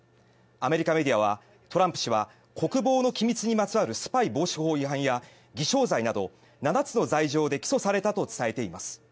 アメリカメディアはトランプ氏は国防の機密にまつわるスパイ防止法違反や偽証罪など７つの罪状で起訴されたと伝えています。